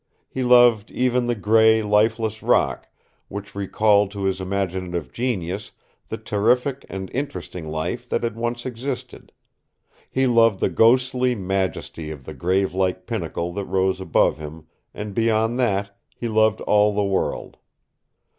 He loved even the gray, lifeless rock, which recalled to his imaginative genius the terrific and interesting life that had once existed he loved the ghostly majesty of the grave like pinnacle that rose above him, and beyond that he loved all the world.